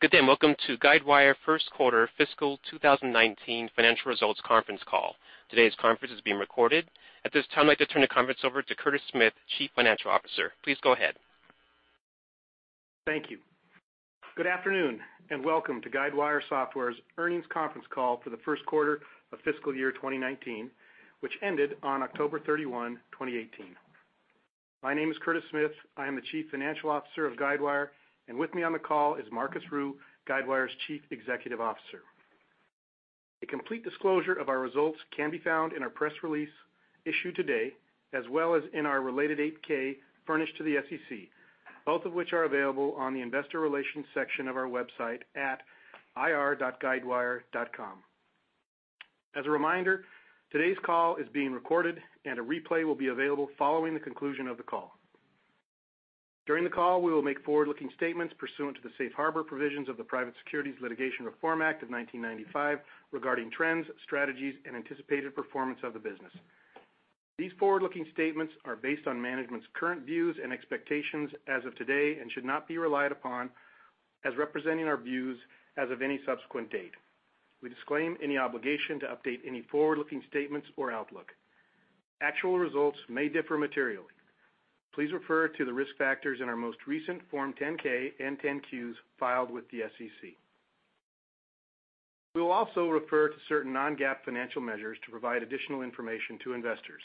Good day, welcome to Guidewire first quarter fiscal 2019 financial results conference call. Today's conference is being recorded. At this time, I'd like to turn the conference over to Curtis Smith, Chief Financial Officer. Please go ahead. Thank you. Good afternoon, welcome to Guidewire Software's earnings conference call for the first quarter of fiscal year 2019, which ended on October 31, 2018. My name is Curtis Smith. I am the Chief Financial Officer of Guidewire, with me on the call is Marcus Ryu, Guidewire's Chief Executive Officer. A complete disclosure of our results can be found in our press release issued today, as well as in our related 8-K furnished to the SEC, both of which are available on the investor relations section of our website at ir.guidewire.com. As a reminder, today's call is being recorded, a replay will be available following the conclusion of the call. During the call, we will make forward-looking statements pursuant to the safe harbor provisions of the Private Securities Litigation Reform Act of 1995, regarding trends, strategies, and anticipated performance of the business. These forward-looking statements are based on management's current views and expectations as of today should not be relied upon as representing our views as of any subsequent date. We disclaim any obligation to update any forward-looking statements or outlook. Actual results may differ materially. Please refer to the risk factors in our most recent Form 10-K and 10-Qs filed with the SEC. We will also refer to certain non-GAAP financial measures to provide additional information to investors.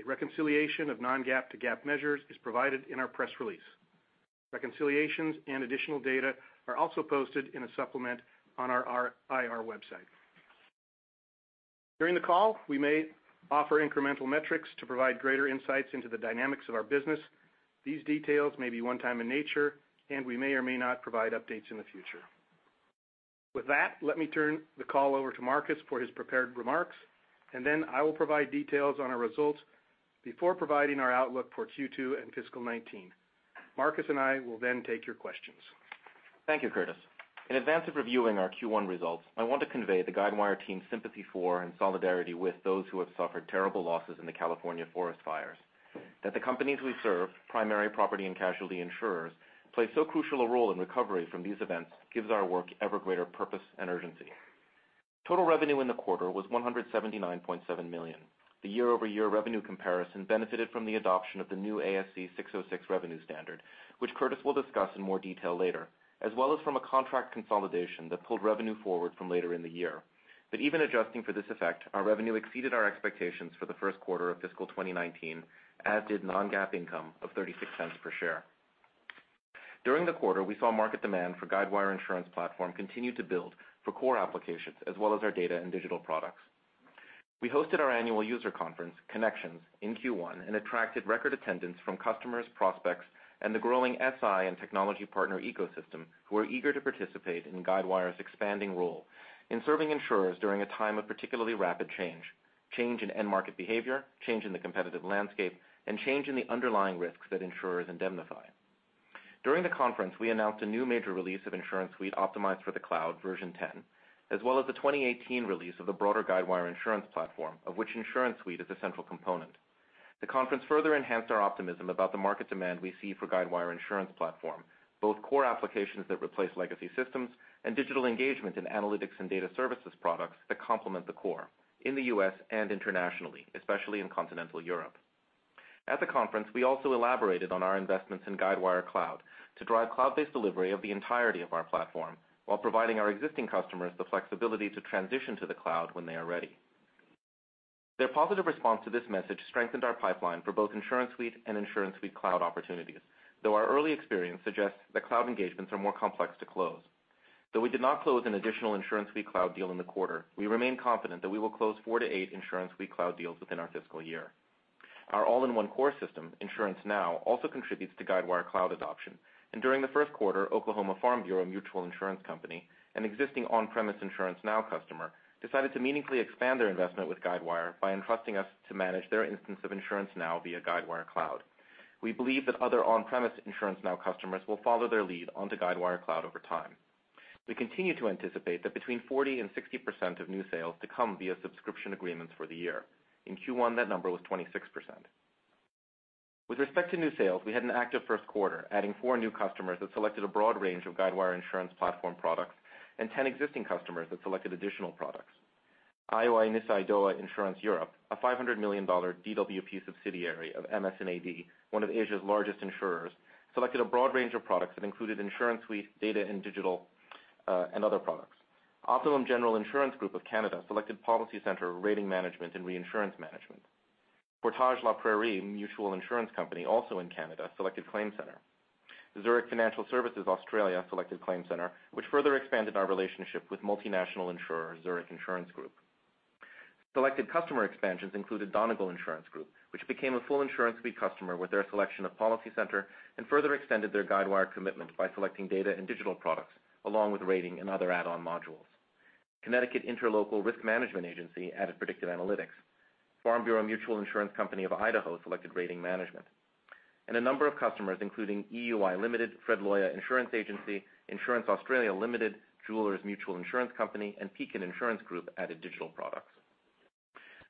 A reconciliation of non-GAAP to GAAP measures is provided in our press release. Reconciliations and additional data are also posted in a supplement on our IR website. During the call, we may offer incremental metrics to provide greater insights into the dynamics of our business. These details may be one-time in nature, we may or may not provide updates in the future. With that, let me turn the call over to Marcus for his prepared remarks, then I will provide details on our results before providing our outlook for Q2 and fiscal 2019. Marcus I will then take your questions. Thank you, Curtis. In advance of reviewing our Q1 results, I want to convey the Guidewire team's sympathy for and solidarity with those who have suffered terrible losses in the California forest fires. That the companies we serve, primary property and casualty insurers, play so crucial a role in recovery from these events gives our work ever greater purpose and urgency. Total revenue in the quarter was $179.7 million. The year-over-year revenue comparison benefited from the adoption of the new ASC 606 revenue standard, which Curtis will discuss in more detail later, as well as from a contract consolidation that pulled revenue forward from later in the year. Even adjusting for this effect, our revenue exceeded our expectations for the first quarter of fiscal 2019, as did non-GAAP income of $0.36 per share. During the quarter, we saw market demand for Guidewire Insurance Platform continue to build for core applications as well as our data and digital products. We hosted our annual user conference, Connections, in Q1 and attracted record attendance from customers, prospects, and the growing SI and technology partner ecosystem, who are eager to participate in Guidewire's expanding role in serving insurers during a time of particularly rapid change: change in end market behavior, change in the competitive landscape, and change in the underlying risks that insurers indemnify. During the conference, we announced a new major release of InsuranceSuite optimized for the cloud, version 10, as well as the 2018 release of the broader Guidewire Insurance Platform, of which InsuranceSuite is a central component. The conference further enhanced our optimism about the market demand we see for Guidewire Insurance Platform, both core applications that replace legacy systems and digital engagement in analytics and data services products that complement the core in the U.S. and internationally, especially in continental Europe. At the conference, we also elaborated on our investments in Guidewire Cloud to drive cloud-based delivery of the entirety of our platform while providing our existing customers the flexibility to transition to the cloud when they are ready. Their positive response to this message strengthened our pipeline for both InsuranceSuite and InsuranceSuite Cloud opportunities, though our early experience suggests that cloud engagements are more complex to close. We did not close an additional InsuranceSuite Cloud deal in the quarter, we remain confident that we will close four to eight InsuranceSuite Cloud deals within our fiscal year. Our all-in-one core system, InsuranceNow, also contributes to Guidewire Cloud adoption. During the first quarter, Oklahoma Farm Bureau Mutual Insurance Company, an existing on-premise InsuranceNow customer, decided to meaningfully expand their investment with Guidewire by entrusting us to manage their instance of InsuranceNow via Guidewire Cloud. We believe that other on-premise InsuranceNow customers will follow their lead onto Guidewire Cloud over time. We continue to anticipate that between 40% and 60% of new sales to come via subscription agreements for the year. In Q1, that number was 26%. With respect to new sales, we had an active first quarter, adding four new customers that selected a broad range of Guidewire Insurance Platform products and 10 existing customers that selected additional products. Aioi Nissay Dowa Insurance Europe, a $500 million DWP subsidiary of MS&AD, one of Asia's largest insurers, selected a broad range of products that included InsuranceSuite data and digital, and other products. Optimum General Inc. of Canada selected PolicyCenter, Rating Management, and Reinsurance Management. The Portage la Prairie Mutual Insurance Company, also in Canada, selected ClaimCenter. Zurich Financial Services Australia selected ClaimCenter, which further expanded our relationship with multinational insurer Zurich Insurance Group. Selected customer expansions included Donegal Insurance Group, which became a full InsuranceSuite customer with their selection of PolicyCenter and further extended their Guidewire commitment by selecting data and digital products, along with rating and other add-on modules. Connecticut Interlocal Risk Management Agency added Predictive Analytics. Farm Bureau Mutual Insurance Company of Idaho selected Rating Management. A number of customers, including EUI Limited, Fred Loya Insurance Agency, Insurance Australia Limited, Jewelers Mutual Insurance Company, and Pekin Insurance Group added digital products.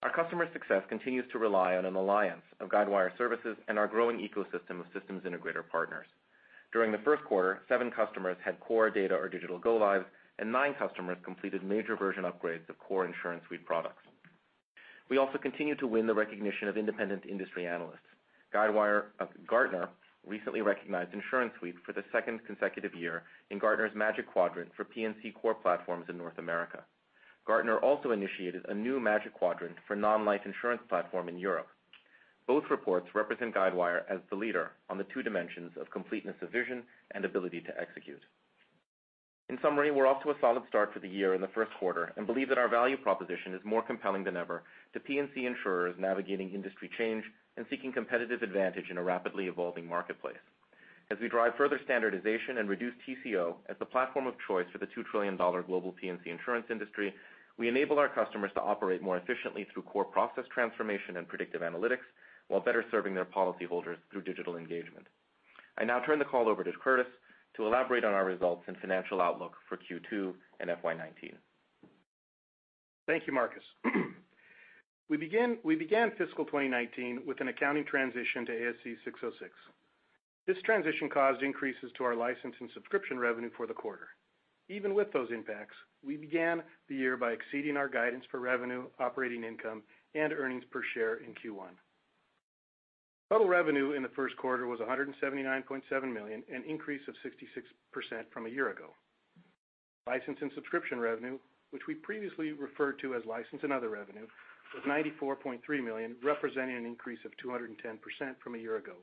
Our customer success continues to rely on an alliance of Guidewire services and our growing ecosystem of systems integrator partners. During the first quarter, seven customers had core data or digital go-lives, and nine customers completed major version upgrades of core InsuranceSuite products. We also continue to win the recognition of independent industry analysts. Gartner recently recognized InsuranceSuite for the second consecutive year in Gartner's Magic Quadrant for P&C core platforms in North America. Gartner also initiated a new Magic Quadrant for non-life insurance platform in Europe. Both reports represent Guidewire as the leader on the two dimensions of completeness of vision and ability to execute. In summary, we're off to a solid start for the year in the first quarter and believe that our value proposition is more compelling than ever to P&C insurers navigating industry change and seeking competitive advantage in a rapidly evolving marketplace. As we drive further standardization and reduce TCO as the platform of choice for the $2 trillion global P&C insurance industry, we enable our customers to operate more efficiently through core process transformation and Predictive Analytics, while better serving their policyholders through digital engagement. I now turn the call over to Alex to elaborate on our results and financial outlook for Q2 and FY 2019. Thank you, Marcus. We began fiscal 2019 with an accounting transition to ASC 606. This transition caused increases to our license and subscription revenue for the quarter. Even with those impacts, we began the year by exceeding our guidance for revenue, operating income, and earnings per share in Q1. Total revenue in the first quarter was $179.7 million, an increase of 66% from a year ago. License and subscription revenue, which we previously referred to as license and other revenue, was $94.3 million, representing an increase of 210% from a year ago.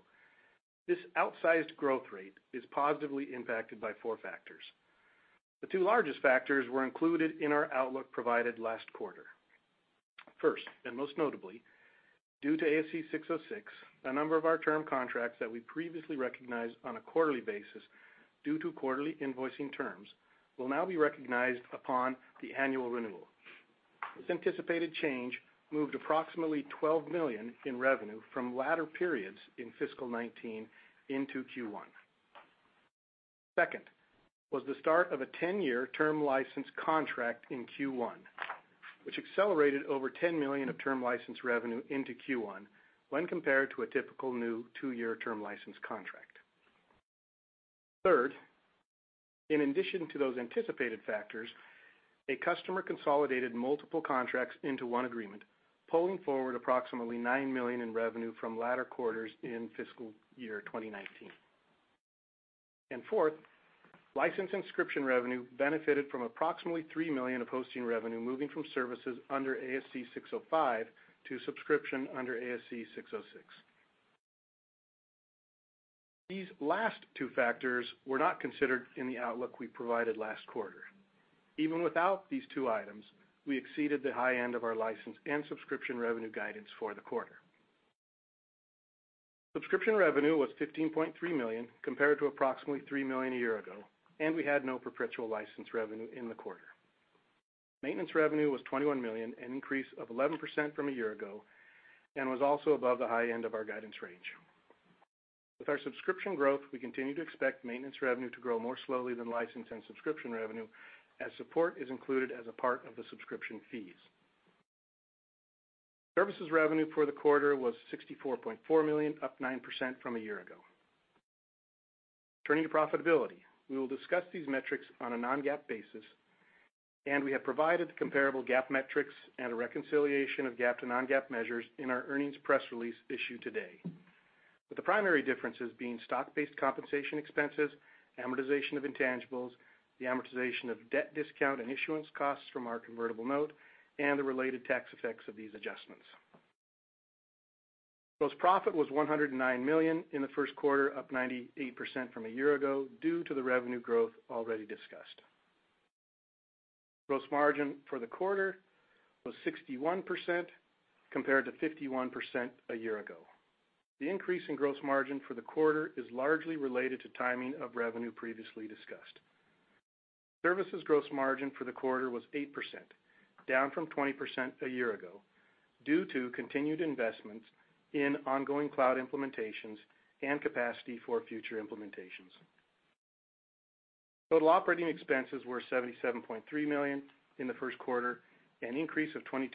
This outsized growth rate is positively impacted by four factors. The two largest factors were included in our outlook provided last quarter. First, and most notably, due to ASC 606, a number of our term contracts that we previously recognized on a quarterly basis due to quarterly invoicing terms will now be recognized upon the annual renewal. This anticipated change moved approximately $12 million in revenue from latter periods in fiscal 2019 into Q1. Second was the start of a 10-year term license contract in Q1, which accelerated over $10 million of term license revenue into Q1 when compared to a typical new two-year term license contract. Third, in addition to those anticipated factors, a customer consolidated multiple contracts into one agreement, pulling forward approximately $9 million in revenue from latter quarters in fiscal year 2019. Fourth, license and subscription revenue benefited from approximately $3 million of hosting revenue moving from services under ASC 605 to subscription under ASC 606. These last two factors were not considered in the outlook we provided last quarter. Even without these two items, we exceeded the high end of our license and subscription revenue guidance for the quarter. Subscription revenue was $15.3 million, compared to approximately $3 million a year ago, and we had no perpetual license revenue in the quarter. Maintenance revenue was $21 million, an increase of 11% from a year ago, and was also above the high end of our guidance range. With our subscription growth, we continue to expect maintenance revenue to grow more slowly than license and subscription revenue, as support is included as a part of the subscription fees. Services revenue for the quarter was $64.4 million, up 9% from a year ago. Turning to profitability. We will discuss these metrics on a non-GAAP basis, and we have provided the comparable GAAP metrics and a reconciliation of GAAP to non-GAAP measures in our earnings press release issued today. With the primary differences being stock-based compensation expenses, amortization of intangibles, the amortization of debt discount and issuance costs from our convertible note, and the related tax effects of these adjustments. Gross profit was $109 million in the first quarter, up 98% from a year ago due to the revenue growth already discussed. Gross margin for the quarter was 61% compared to 51% a year ago. The increase in gross margin for the quarter is largely related to timing of revenue previously discussed. Services gross margin for the quarter was 8%, down from 20% a year ago due to continued investments in ongoing cloud implementations and capacity for future implementations. Total operating expenses were $77.3 million in the first quarter, an increase of 22%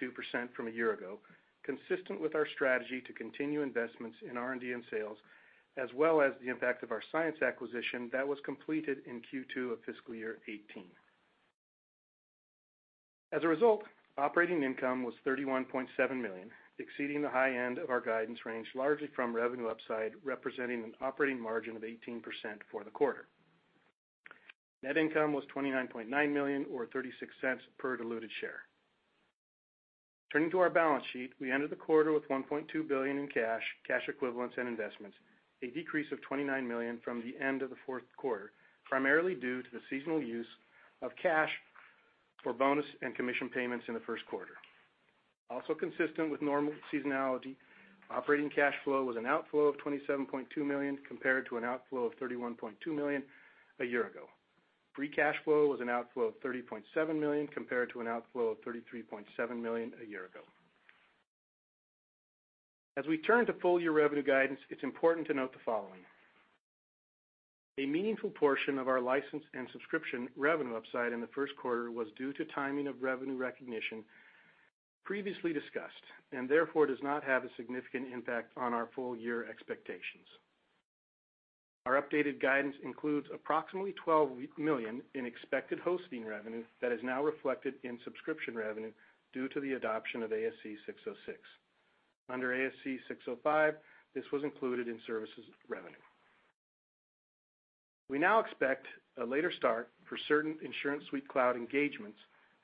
from a year ago, consistent with our strategy to continue investments in R&D and sales, as well as the impact of our ISCS acquisition that was completed in Q2 of fiscal year 2018. As a result, operating income was $31.7 million, exceeding the high end of our guidance range largely from revenue upside, representing an operating margin of 18% for the quarter. Net income was $29.9 million or $0.36 per diluted share. Turning to our balance sheet, we ended the quarter with $1.2 billion in cash equivalents, and investments, a decrease of $29 million from the end of the fourth quarter, primarily due to the seasonal use of cash for bonus and commission payments in the first quarter. Also consistent with normal seasonality, operating cash flow was an outflow of $27.2 million compared to an outflow of $31.2 million a year ago. Free cash flow was an outflow of $30.7 million compared to an outflow of $33.7 million a year ago. As we turn to full-year revenue guidance, it's important to note the following. A meaningful portion of our license and subscription revenue upside in the first quarter was due to timing of revenue recognition previously discussed, and therefore does not have a significant impact on our full-year expectations. Our updated guidance includes approximately $12 million in expected hosting revenue that is now reflected in subscription revenue due to the adoption of ASC 606. Under ASC 605, this was included in services revenue. We now expect a later start for certain InsuranceSuite cloud engagements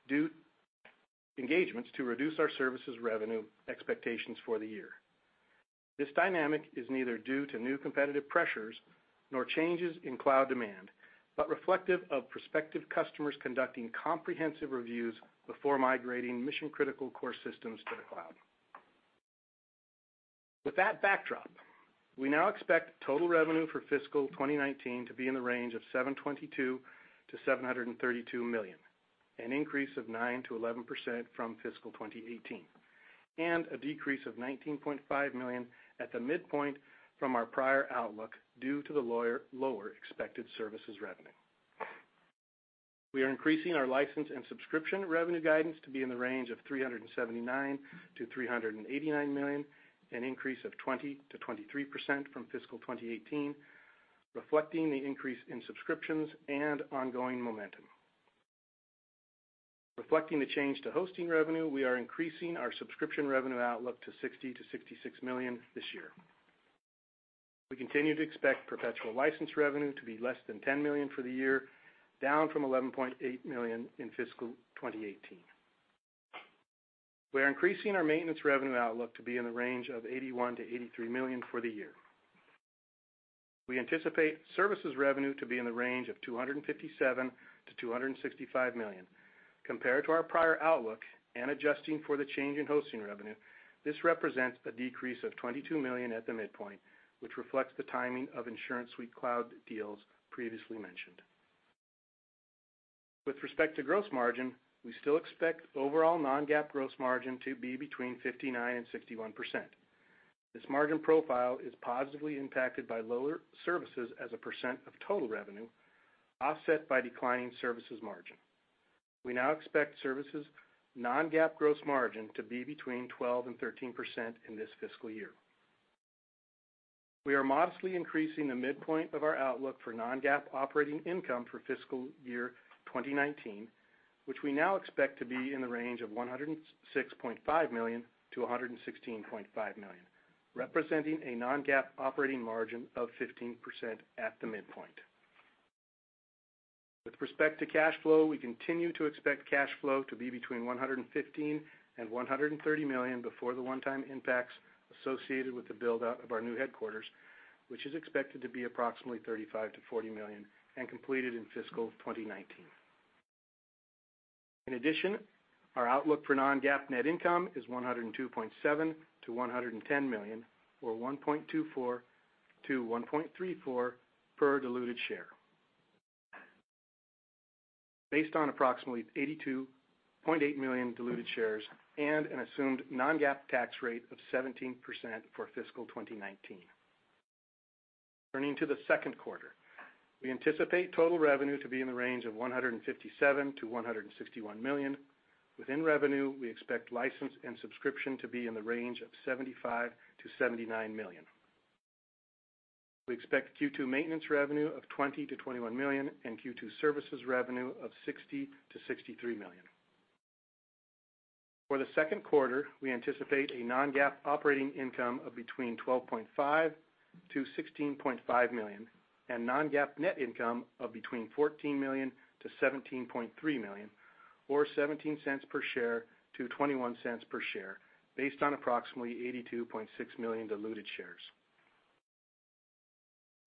to reduce our services revenue expectations for the year. This dynamic is neither due to new competitive pressures nor changes in cloud demand, but reflective of prospective customers conducting comprehensive reviews before migrating mission-critical core systems to the cloud. With that backdrop, we now expect total revenue for fiscal 2019 to be in the range of $722 million-$732 million, an increase of 9%-11% from fiscal 2018, and a decrease of $19.5 million at the midpoint from our prior outlook due to the lower expected services revenue. We are increasing our license and subscription revenue guidance to be in the range of $379 million-$389 million, an increase of 20%-23% from fiscal 2018, reflecting the increase in subscriptions and ongoing momentum. Reflecting the change to hosting revenue, we are increasing our subscription revenue outlook to $60 million-$66 million this year. We continue to expect perpetual license revenue to be less than $10 million for the year, down from $11.8 million in fiscal 2018. We are increasing our maintenance revenue outlook to be in the range of $81 million-$83 million for the year. We anticipate services revenue to be in the range of $257 million-$265 million. Compared to our prior outlook and adjusting for the change in hosting revenue, this represents a decrease of $22 million at the midpoint, which reflects the timing of InsuranceSuite cloud deals previously mentioned. With respect to gross margin, we still expect overall non-GAAP gross margin to be between 59% and 61%. This margin profile is positively impacted by lower services as a % of total revenue, offset by declining services margin. We now expect services non-GAAP gross margin to be between 12% and 13% in this fiscal year. We are modestly increasing the midpoint of our outlook for non-GAAP operating income for fiscal year 2019, which we now expect to be in the range of $106.5 million-$116.5 million, representing a non-GAAP operating margin of 15% at the midpoint. With respect to cash flow, we continue to expect cash flow to be between $115 million and $130 million before the one-time impacts associated with the buildup of our new headquarters, which is expected to be approximately $35 million-$40 million and completed in fiscal 2019. In addition, our outlook for non-GAAP net income is $102.7 million-$110 million, or $1.24-$1.34 per diluted share. Based on approximately 82.8 million diluted shares and an assumed non-GAAP tax rate of 17% for fiscal 2019. Turning to the second quarter, we anticipate total revenue to be in the range of $157 million-$161 million. Within revenue, we expect license and subscription to be in the range of $75 million-$79 million. We expect Q2 maintenance revenue of $20 million-$21 million and Q2 services revenue of $60 million-$63 million. For the second quarter, we anticipate a non-GAAP operating income of between $12.5 million-$16.5 million and non-GAAP net income of between $14 million-$17.3 million, or $0.17 per share-$0.21 per share, based on approximately 82.6 million diluted shares.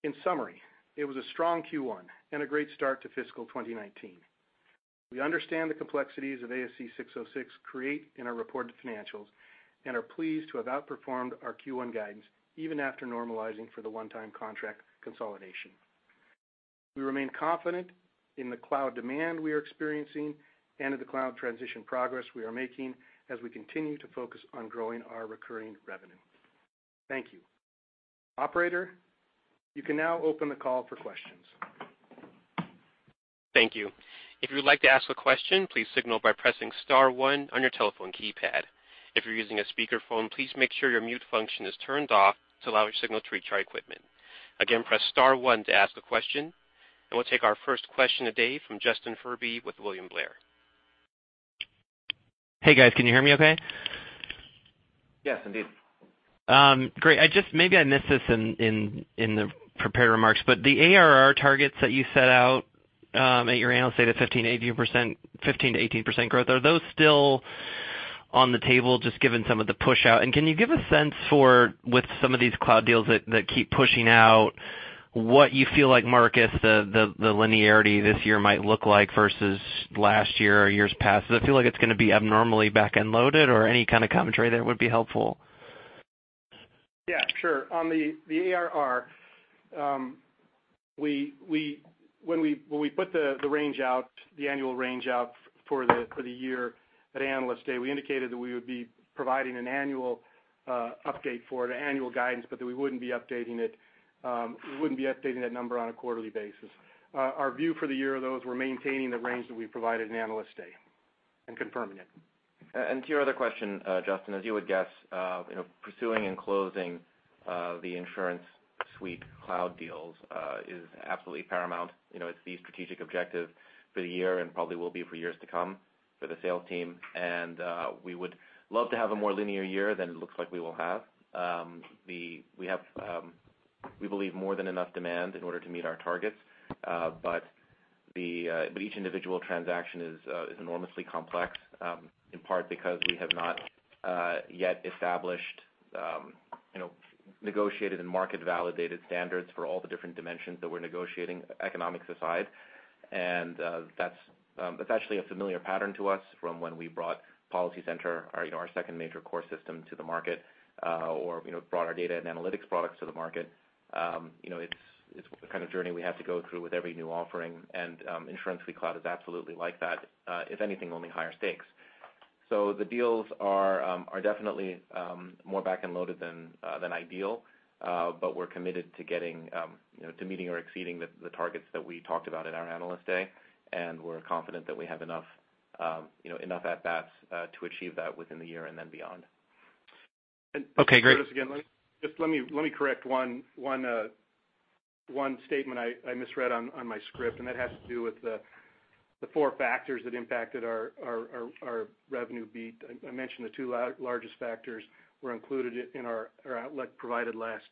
In summary, it was a strong Q1 and a great start to fiscal 2019. We understand the complexities of ASC 606 create in our reported financials and are pleased to have outperformed our Q1 guidance, even after normalizing for the one-time contract consolidation. We remain confident in the cloud demand we are experiencing and in the cloud transition progress we are making as we continue to focus on growing our recurring revenue. Thank you. Operator, you can now open the call for questions. Thank you. If you would like to ask a question, please signal by pressing *1 on your telephone keypad. If you're using a speakerphone, please make sure your mute function is turned off to allow your signal to reach our equipment. Again, press *1 to ask a question, and we'll take our first question today from Dylan Becker with William Blair. Hey, guys. Can you hear me okay? Yes, indeed. Great. Maybe I missed this in the prepared remarks, but the ARR targets that you set out at your annual Analyst Day to 15%-18% growth, are those still on the table, just given some of the push out? Can you give a sense for with some of these cloud deals that keep pushing out what you feel like, Marcus, the linearity this year might look like versus last year or years past? Does it feel like it's going to be abnormally back-end loaded or any kind of commentary there would be helpful? Yeah, sure. On the ARR When we put the annual range out for the year at Analyst Day, we indicated that we would be providing an annual update for it, annual guidance, but that we wouldn't be updating that number on a quarterly basis. Our view for the year, though, is we're maintaining the range that we provided at Analyst Day and confirming it. To your other question, Justin, as you would guess, pursuing and closing the InsuranceSuite Cloud deals is absolutely paramount. It's the strategic objective for the year and probably will be for years to come for the sales team. We would love to have a more linear year than it looks like we will have. We believe we have more than enough demand in order to meet our targets. Each individual transaction is enormously complex, in part because we have not yet established, negotiated, and market-validated standards for all the different dimensions that we're negotiating, economics aside. That's actually a familiar pattern to us from when we brought PolicyCenter, our second major core system, to the market or brought our data and analytics products to the market. It's the kind of journey we have to go through with every new offering, InsuranceSuite Cloud is absolutely like that. If anything, only higher stakes. The deals are definitely more back-end loaded than ideal, we're committed to meeting or exceeding the targets that we talked about at our Analyst Day. We're confident that we have enough at-bats to achieve that within the year and then beyond. Okay, great. Curtis, again, just let me correct one statement I misread on my script, that has to do with the four factors that impacted our revenue beat. I mentioned the two largest factors were included in our outlook provided last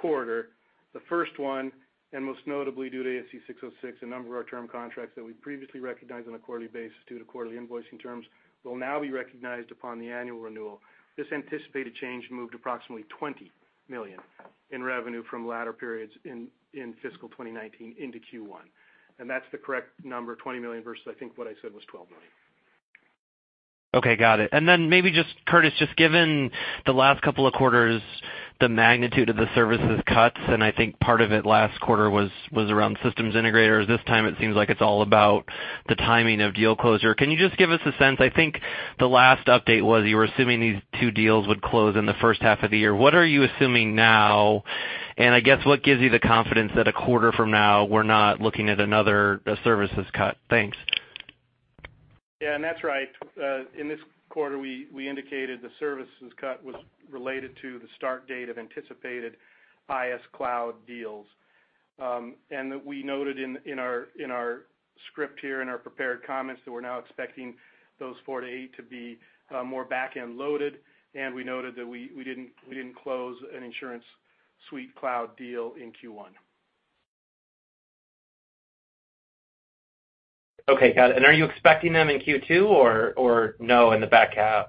quarter. The first one, most notably due to ASC 606, a number of our term contracts that we previously recognized on a quarterly basis due to quarterly invoicing terms will now be recognized upon the annual renewal. This anticipated change moved approximately $20 million in revenue from latter periods in fiscal 2019 into Q1, that's the correct number, $20 million, versus I think what I said was $12 million. Okay, got it. Maybe just, Curtis, just given the last couple of quarters, the magnitude of the services cuts, I think part of it last quarter was around systems integrators. This time it seems like it's all about the timing of deal closure. Can you just give us a sense? I think the last update was you were assuming these two deals would close in the first half of the year. What are you assuming now? I guess what gives you the confidence that a quarter from now, we're not looking at another services cut? Thanks. Yeah, that's right. In this quarter, we indicated the services cut was related to the start date of anticipated IS cloud deals. That we noted in our script here, in our prepared comments, that we're now expecting those four to eight to be more back-end loaded. We noted that we didn't close an InsuranceSuite cloud deal in Q1. Okay, got it. Are you expecting them in Q2 or no, in the back half?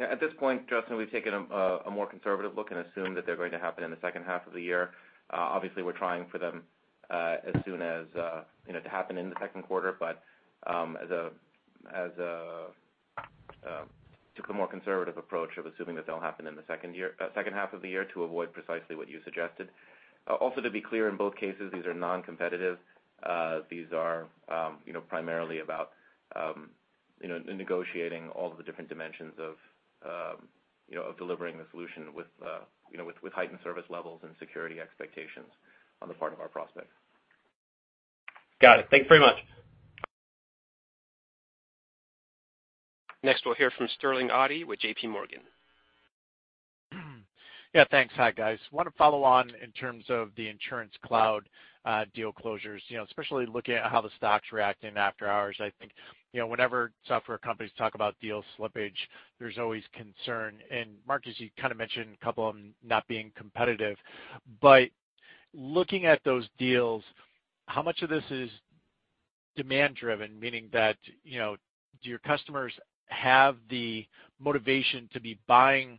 Yeah, at this point, Justin, we've taken a more conservative look and assume that they're going to happen in the second half of the year. Obviously, we're trying for them as soon as to happen in the second quarter, but took a more conservative approach of assuming that they'll happen in the second half of the year to avoid precisely what you suggested. To be clear, in both cases, these are non-competitive. These are primarily about negotiating all the different dimensions of delivering the solution with heightened service levels and security expectations on the part of our prospect. Got it. Thank you very much. Next, we'll hear from Sterling Auty with J.P. Morgan. Yeah, thanks. Hi, guys. Want to follow on in terms of the insurance cloud deal closures, especially looking at how the stock's reacting after hours. I think whenever software companies talk about deal slippage, there's always concern. Marcus, as you kind of mentioned, a couple of them not being competitive. Looking at those deals, how much of this is demand-driven, meaning that, do your customers have the motivation to be buying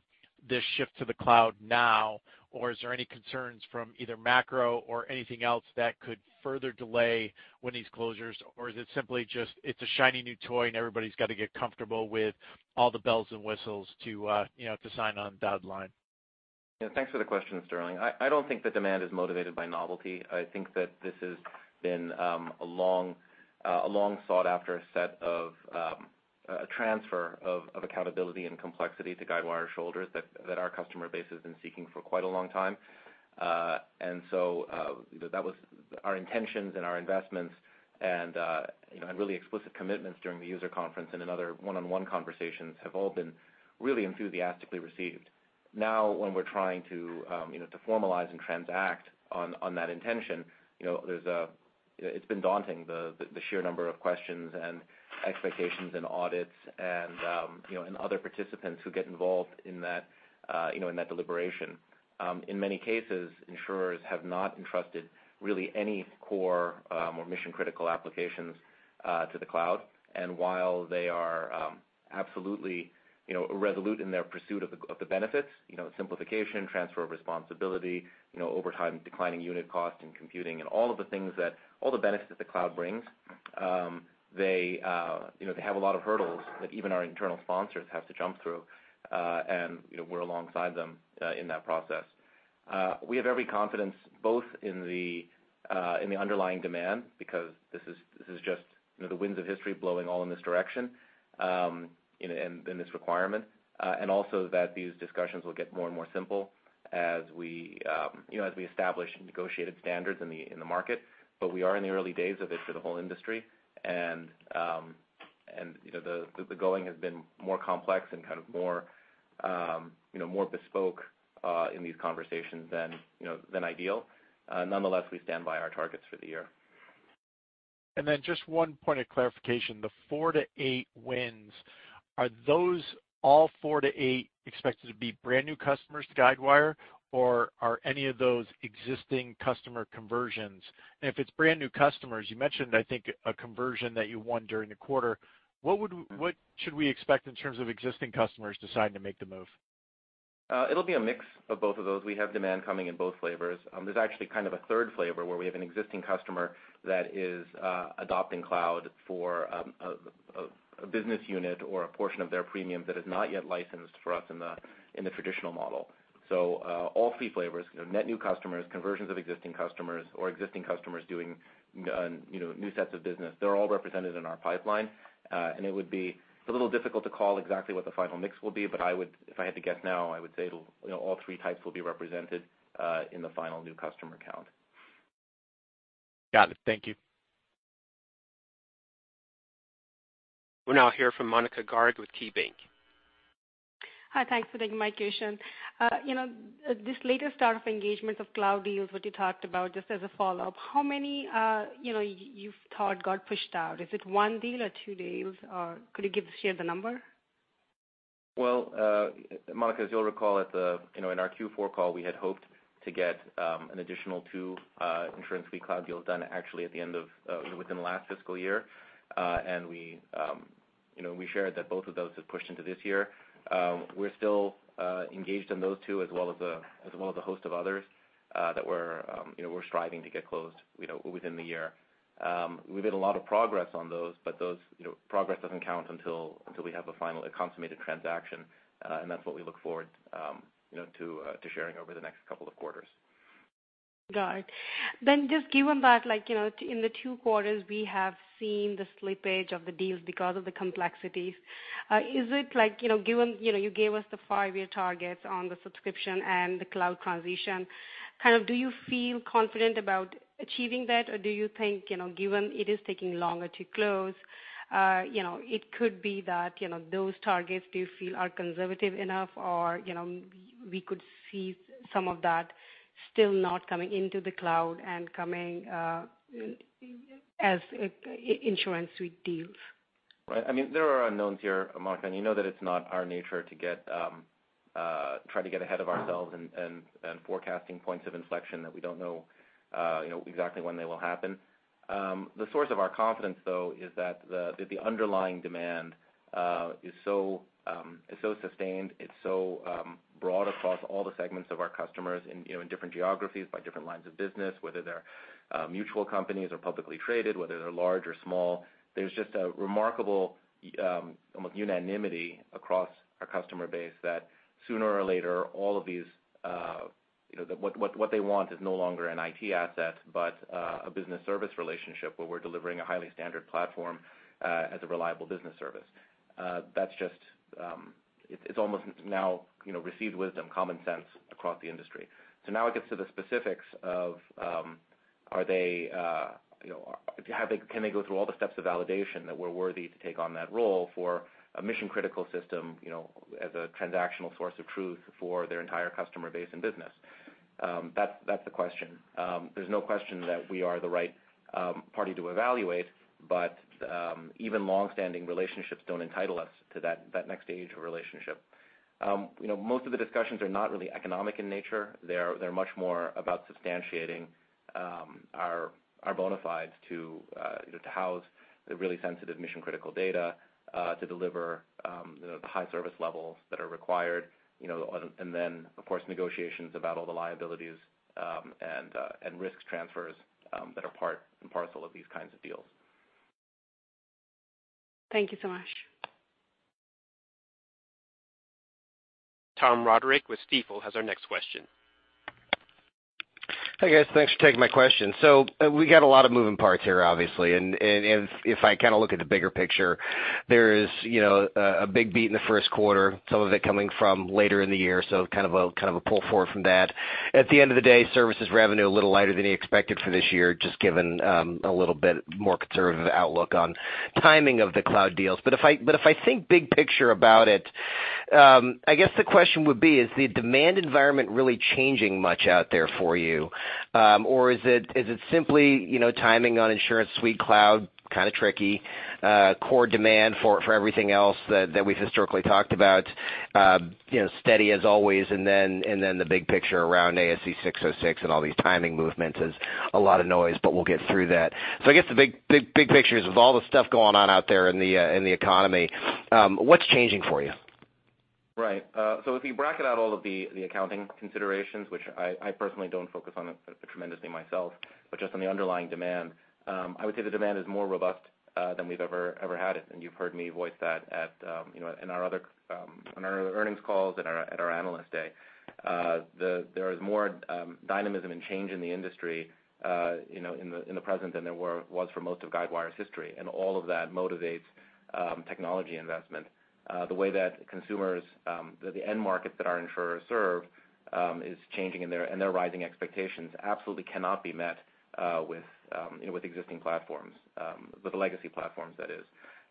this shift to the cloud now? Or is there any concerns from either macro or anything else that could further delay when these closures, or is it simply just it's a shiny new toy and everybody's got to get comfortable with all the bells and whistles to sign on the dotted line? Yeah. Thanks for the question, Sterling. I don't think the demand is motivated by novelty. I think that this has been a long-sought-after set of a transfer of accountability and complexity to Guidewire's shoulders that our customer base has been seeking for quite a long time. That was our intentions and our investments. Really explicit commitments during the user conference and in other one-on-one conversations have all been really enthusiastically received. When we're trying to formalize and transact on that intention, it's been daunting, the sheer number of questions and expectations and audits and other participants who get involved in that deliberation. In many cases, insurers have not entrusted really any core or mission-critical applications to the cloud. While they are absolutely resolute in their pursuit of the benefits, simplification, transfer of responsibility, over time, declining unit cost and computing, and all of the things that, all the benefits the cloud brings. They have a lot of hurdles that even our internal sponsors have to jump through. We're alongside them in that process. We have every confidence both in the underlying demand, because this is just the winds of history blowing all in this direction in this requirement. Also that these discussions will get more and more simple as we establish negotiated standards in the market. We are in the early days of it for the whole industry. The going has been more complex and more bespoke in these conversations than ideal. Nonetheless, we stand by our targets for the year. Just one point of clarification, the four to eight wins, are those all four to eight expected to be brand-new customers to Guidewire, or are any of those existing customer conversions? If it's brand-new customers, you mentioned, I think, a conversion that you won during the quarter. What should we expect in terms of existing customers deciding to make the move? It'll be a mix of both of those. We have demand coming in both flavors. There's actually kind of a third flavor, where we have an existing customer that is adopting cloud for a business unit or a portion of their premium that is not yet licensed for us in the traditional model. All 3 flavors, net new customers, conversions of existing customers, or existing customers doing new sets of business. They're all represented in our pipeline. It would be a little difficult to call exactly what the final mix will be, but if I had to guess now, I would say all 3 types will be represented in the final new customer count. Got it. Thank you. We'll now hear from Monika Garg with KeyBank. Hi. Thanks for taking my question. This latest start of engagement of cloud deals, what you talked about, just as a follow-up, how many you've thought got pushed out? Is it one deal or two deals, or could you share the number? Well, Monika, as you'll recall in our Q4 call, we had hoped to get an additional two InsuranceSuite cloud deals done actually within the last fiscal year. We shared that both of those have pushed into this year. We're still engaged in those two, as well as a host of others that we're striving to get closed within the year. We've made a lot of progress on those, progress doesn't count until we have a final consummated transaction. That's what we look forward to sharing over the next couple of quarters. Got it. Just given that in the two quarters we have seen the slippage of the deals because of the complexities. You gave us the five-year targets on the subscription and the cloud transition. Kind of do you feel confident about achieving that, or do you think, given it is taking longer to close, it could be that those targets do you feel are conservative enough or we could see some of that still not coming into the cloud and coming as InsuranceSuite deals? Right. There are unknowns here, Monika, you know that it's not our nature to try to get ahead of ourselves and forecasting points of inflection that we don't know exactly when they will happen. The source of our confidence, though, is that the underlying demand is so sustained. It's so broad across all the segments of our customers in different geographies by different lines of business, whether they're mutual companies or publicly traded, whether they're large or small. There's just a remarkable almost unanimity across our customer base that sooner or later, what they want is no longer an IT asset, but a business service relationship where we're delivering a highly standard platform as a reliable business service. It's almost now received wisdom, common sense across the industry. Now it gets to the specifics of can they go through all the steps of validation that we're worthy to take on that role for a mission-critical system as a transactional source of truth for their entire customer base and business? That's the question. There's no question that we are the right party to evaluate, but even longstanding relationships don't entitle us to that next stage of relationship. Most of the discussions are not really economic in nature. They're much more about substantiating our bona fides to house the really sensitive mission-critical data to deliver the high service levels that are required, and then, of course, negotiations about all the liabilities and risk transfers that are part and parcel of these kinds of deals. Thank you so much. Tom Roderick with Stifel has our next question. Hey, guys. Thanks for taking my question. We got a lot of moving parts here, obviously. If I kind of look at the bigger picture, there is a big beat in the first quarter, some of it coming from later in the year, so kind of a pull forward from that. At the end of the day, services revenue a little lighter than you expected for this year, just given a little bit more conservative outlook on timing of the cloud deals. If I think big picture about it, I guess the question would be: Is the demand environment really changing much out there for you? Is it simply timing on InsuranceSuite Cloud kind of tricky, core demand for everything else that we've historically talked about steady as always, then the big picture around ASC 606 and all these timing movements is a lot of noise, we'll get through that. I guess the big picture is with all the stuff going on out there in the economy, what's changing for you? Right. If you bracket out all of the accounting considerations, which I personally don't focus on tremendously myself, just on the underlying demand, I would say the demand is more robust than we've ever had it. You've heard me voice that on our other earnings calls and at our Analyst Day. There is more dynamism and change in the industry in the present than there was for most of Guidewire's history, all of that motivates technology investment. The way that consumers, the end market that our insurers serve is changing, their rising expectations absolutely cannot be met with existing platforms, with the legacy platforms, that is.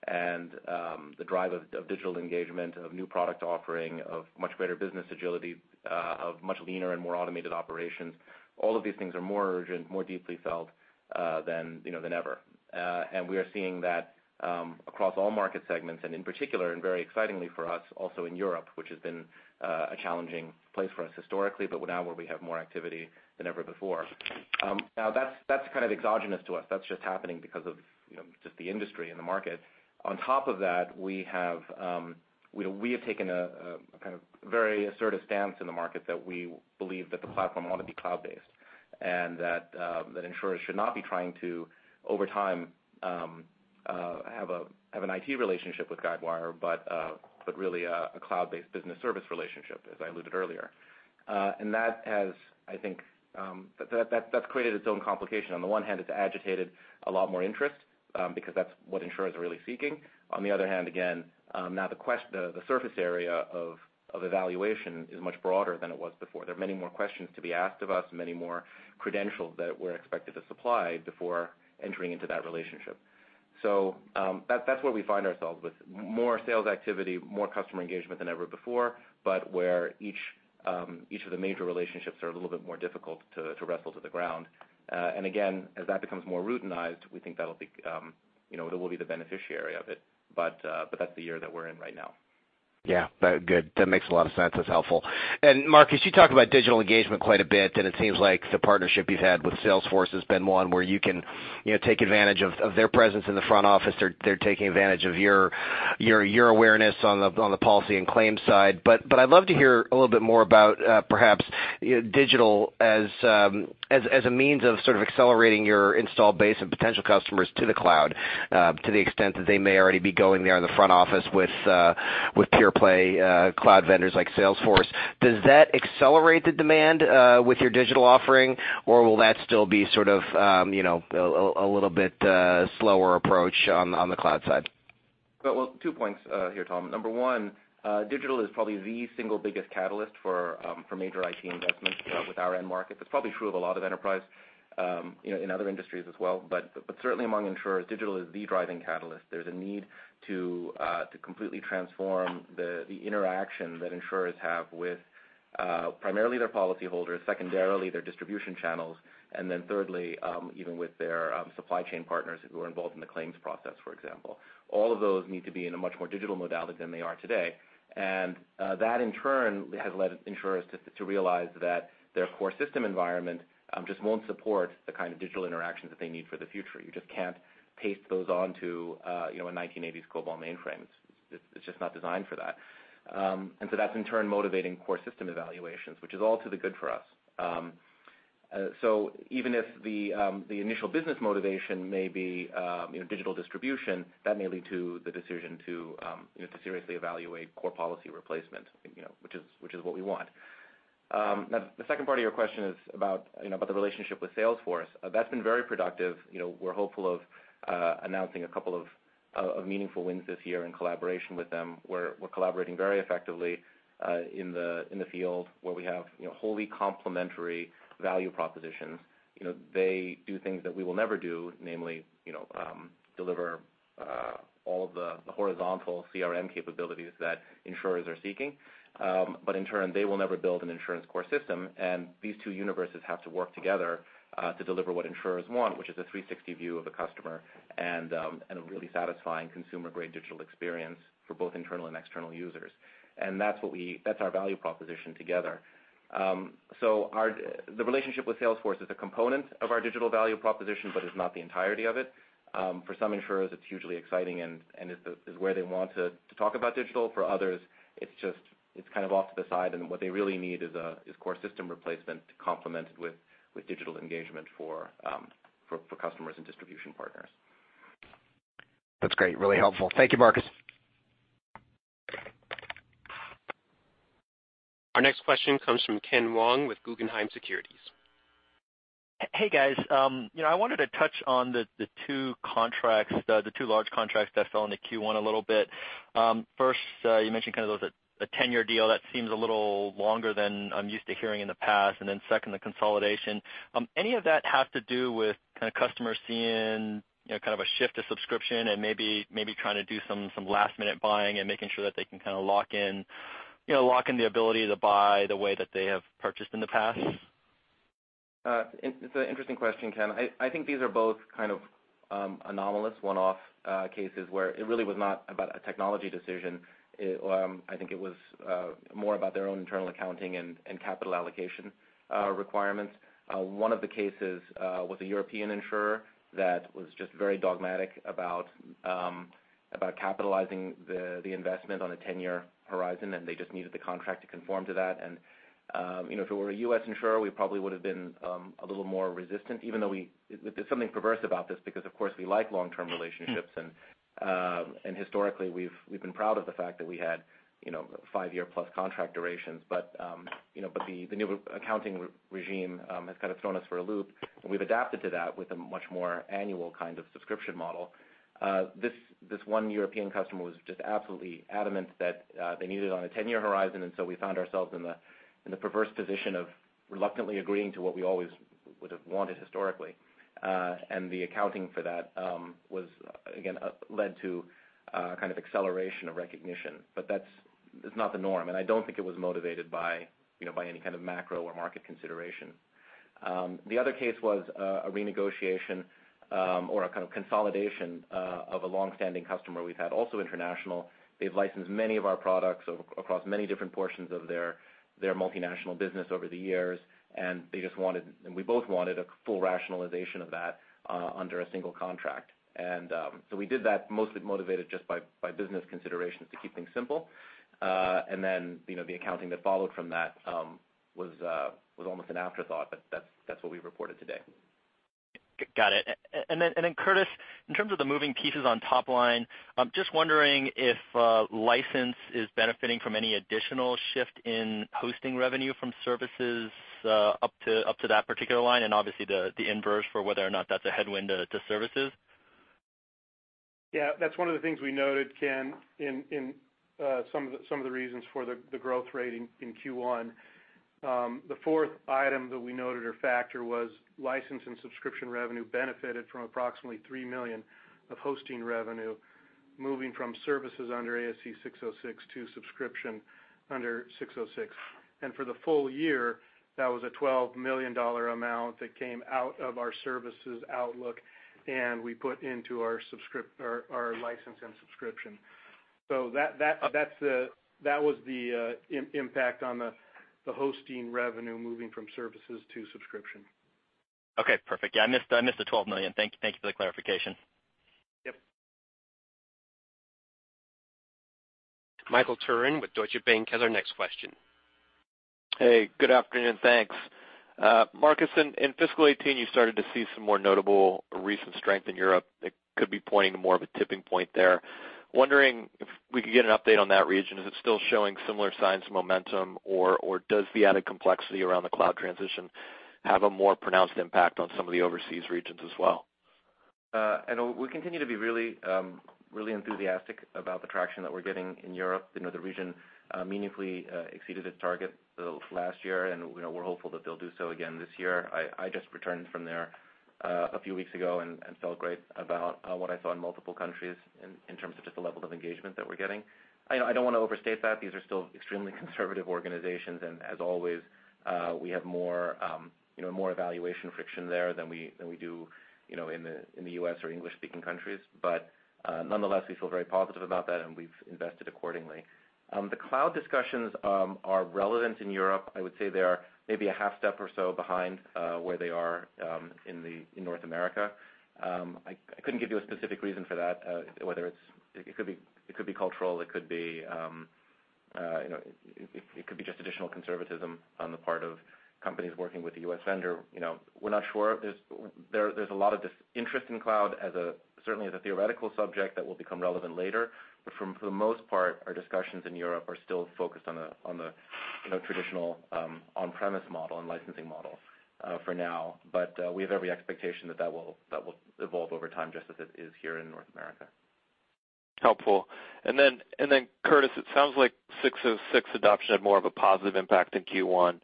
The drive of digital engagement, of new product offering, of much better business agility, of much leaner and more automated operations, all of these things are more urgent, more deeply felt than ever. We are seeing that across all market segments, in particular, very excitingly for us, also in Europe, which has been a challenging place for us historically, now where we have more activity than ever before. That's kind of exogenous to us. That's just happening because of just the industry and the market. On top of that, we have taken a very assertive stance in the market that we believe that the platform ought to be cloud-based, that insurers should not be trying to, over time, have an IT relationship with Guidewire, really a cloud-based business service relationship, as I alluded earlier. That has, I think, created its own complication. On the one hand, it's agitated a lot more interest because that's what insurers are really seeking. The surface area of evaluation is much broader than it was before. There are many more questions to be asked of us, many more credentials that we're expected to supply before entering into that relationship. That's where we find ourselves with more sales activity, more customer engagement than ever before, but where each of the major relationships are a little bit more difficult to wrestle to the ground. Again, as that becomes more routinized, we think that we'll be the beneficiary of it. That's the year that we're in right now. Yeah. Good. That makes a lot of sense. That's helpful. Marcus, you talk about digital engagement quite a bit, and it seems like the partnership you've had with Salesforce has been one where you can take advantage of their presence in the front office. They're taking advantage of your awareness on the policy and claims side. I'd love to hear a little bit more about perhaps digital as a means of sort of accelerating your install base of potential customers to the cloud, to the extent that they may already be going there in the front office with pure play cloud vendors like Salesforce. Does that accelerate the demand with your digital offering, or will that still be sort of a little bit slower approach on the cloud side? Well, two points here, Tom. Number one, digital is probably the single biggest catalyst for major IT investments with our end markets. It's probably true of a lot of enterprise in other industries as well, but certainly among insurers, digital is the driving catalyst. There's a need to completely transform the interaction that insurers have with primarily their policyholders, secondarily their distribution channels, and then thirdly even with their supply chain partners who are involved in the claims process, for example. All of those need to be in a much more digital modality than they are today. That, in turn, has led insurers to realize that their core system environment just won't support the kind of digital interactions that they need for the future. You just can't paste those onto a 1980s COBOL mainframe. It's just not designed for that. That's in turn motivating core system evaluations, which is all to the good for us. Even if the initial business motivation may be digital distribution, that may lead to the decision to seriously evaluate core policy replacement which is what we want. Now, the second part of your question is about the relationship with Salesforce. That's been very productive. We're hopeful of announcing a couple of meaningful wins this year in collaboration with them, where we're collaborating very effectively in the field where we have wholly complementary value propositions. They do things that we will never do, namely deliver all of the horizontal CRM capabilities that insurers are seeking. In turn, they will never build an insurance core system, and these two universes have to work together to deliver what insurers want, which is a 360 view of the customer and a really satisfying consumer-grade digital experience for both internal and external users. That's our value proposition together. The relationship with Salesforce is a component of our digital value proposition, but is not the entirety of it. For some insurers, it's hugely exciting, and is where they want to talk about digital. For others, it's kind of off to the side, and what they really need is core system replacement complemented with digital engagement for customers and distribution partners. That's great. Really helpful. Thank you, Marcus. Our next question comes from Ken Wong with Guggenheim Securities. Hey, guys. I wanted to touch on the two large contracts that fell into Q1 a little bit. First, you mentioned kind of a 10-year deal that seems a little longer than I'm used to hearing in the past. Then second, the consolidation. Any of that have to do with kind of customers seeing kind of a shift to subscription and maybe trying to do some last-minute buying and making sure that they can kind of lock in the ability to buy the way that they have purchased in the past? It's an interesting question, Ken. I think these are both kind of anomalous one-off cases where it really was not about a technology decision. I think it was more about their own internal accounting and capital allocation requirements. One of the cases was a European insurer that was just very dogmatic about capitalizing the investment on a 10-year horizon, and they just needed the contract to conform to that. If it were a U.S. insurer, we probably would've been a little more resistant, even though there's something perverse about this because, of course, we like long-term relationships. Historically, we've been proud of the fact that we had five-year-plus contract durations. The new accounting regime has kind of thrown us for a loop, and we've adapted to that with a much more annual kind of subscription model. This one European customer was just absolutely adamant that they needed it on a 10-year horizon, so we found ourselves in the perverse position of reluctantly agreeing to what we always would have wanted historically. The accounting for that, again, led to a kind of acceleration of recognition. That's not the norm, and I don't think it was motivated by any kind of macro or market consideration. The other case was a renegotiation or a kind of consolidation of a long-standing customer we've had, also international. They've licensed many of our products across many different portions of their multinational business over the years, and we both wanted a full rationalization of that under a single contract. So we did that, mostly motivated just by business considerations to keep things simple. The accounting that followed from that was almost an afterthought, but that's what we reported today. Got it. Then, Alex, in terms of the moving pieces on top line, I'm just wondering if license is benefiting from any additional shift in hosting revenue from services up to that particular line, and obviously the inverse for whether or not that's a headwind to services. That's one of the things we noted, Ken, in some of the reasons for the growth rate in Q1. The fourth item that we noted, or factor, was license and subscription revenue benefited from approximately $3 million of hosting revenue moving from services under ASC 606 to subscription under 606. For the full year, that was a $12 million amount that came out of our services outlook and we put into our license and subscription. That was the impact on the hosting revenue moving from services to subscription. Okay, perfect. Yeah, I missed the $12 million. Thank you for the clarification. Yep. Michael Turrin with Deutsche Bank has our next question. Hey, good afternoon. Thanks. Marcus, in fiscal 2018, you started to see some more notable recent strength in Europe that could be pointing to more of a tipping point there. Wondering if we could get an update on that region. Is it still showing similar signs of momentum, or does the added complexity around the cloud transition have a more pronounced impact on some of the overseas regions as well? We continue to be really enthusiastic about the traction that we're getting in Europe. The region meaningfully exceeded its target last year, and we're hopeful that they'll do so again this year. I just returned from there a few weeks ago and felt great about what I saw in multiple countries in terms of just the level of engagement that we're getting. I don't want to overstate that. These are still extremely conservative organizations, and as always, we have more evaluation friction there than we do in the U.S. or English-speaking countries. Nonetheless, we feel very positive about that, and we've invested accordingly. The cloud discussions are relevant in Europe. I would say they are maybe a half step or so behind where they are in North America. I couldn't give you a specific reason for that. It could be cultural. It could be just additional conservatism on the part of companies working with a U.S. vendor. We're not sure. There's a lot of this interest in cloud certainly as a theoretical subject that will become relevant later. For the most part, our discussions in Europe are still focused on the traditional on-premise model and licensing model for now. We have every expectation that will evolve over time just as it is here in North America. Helpful. Alex, it sounds like ASC 606 adoption had more of a positive impact in Q1.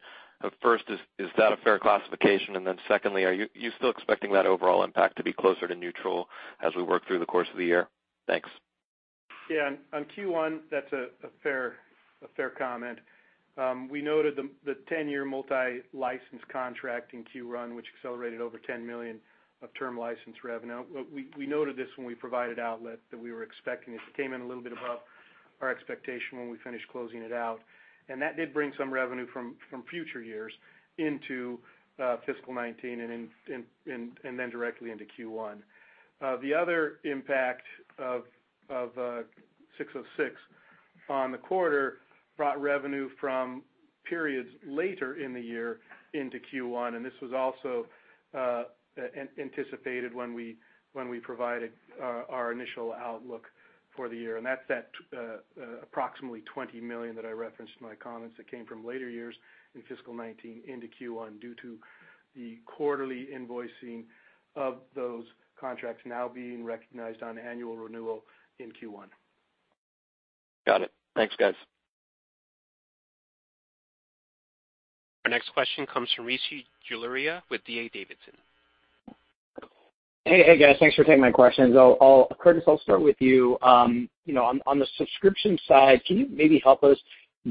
First, is that a fair classification? Secondly, are you still expecting that overall impact to be closer to neutral as we work through the course of the year? Thanks. On Q1, that's a fair comment. We noted the 10-year multi-license contract in Q1, which accelerated over $10 million of term license revenue. We noted this when we provided outlet that we were expecting it. It came in a little bit above our expectation when we finished closing it out, and that did bring some revenue from future years into fiscal 2019 and directly into Q1. The other impact of ASC 606 on the quarter brought revenue from periods later in the year into Q1, and this was also anticipated when we provided our initial outlook for the year, and that's that approximately $20 million that I referenced in my comments that came from later years in fiscal 2019 into Q1 due to the quarterly invoicing of those contracts now being recognized on annual renewal in Q1. Got it. Thanks, guys. Our next question comes from Rishi Jaluria with D.A. Davidson. Hey, guys. Thanks for taking my questions. Curtis, I'll start with you. On the subscription side, can you maybe help us